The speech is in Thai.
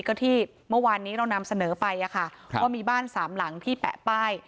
ก็ที่เมื่อวานนี้เรานำเสนอไปว่ามีบ้านสามหลังที่แปะป้าย